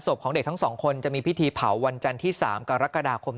ของเด็กทั้งสองคนจะมีพิธีเผาวันจันทร์ที่๓กรกฎาคม